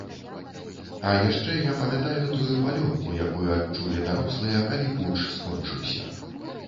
А яшчэ я памятаю тую палёгку, якую адчулі дарослыя, калі путч скончыўся.